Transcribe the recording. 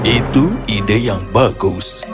itu ide yang bagus